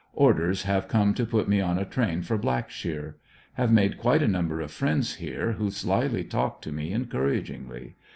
Orders, have come to put me on a train for Black shear. Have made quite a number of friends here, who sl3^1y talk to me encouragingly.